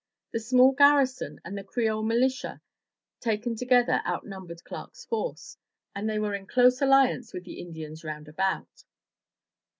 The small garrison and the Creole mihtia taken together outnumbered Clark's force, and they were in close alliance with the Indians roundabout.